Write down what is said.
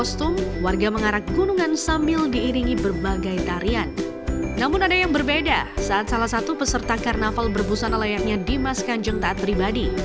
saat salah satu peserta karnaval berbusana layaknya dimas kanjeng taat pribadi